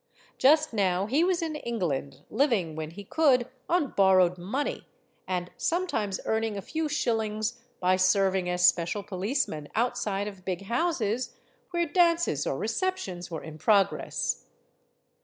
Just now he was in England, living, when he could, on borrowed money, and sometimes earning a few shillings by serving as special policeman outside of big houses where dances or receptions were in progress.